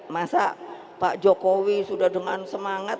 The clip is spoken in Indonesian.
masa pak jokowi sudah dengan semangat